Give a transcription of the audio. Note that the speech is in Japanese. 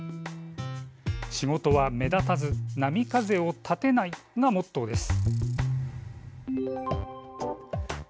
「仕事は目立たず波風を立てない」がモットーです。